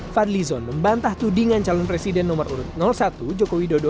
fadli zon membantah tudingan calon presiden nomor urut satu jokowi dodo